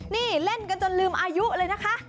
นี่เล่นกันจนลืมอายุเลยนะคะ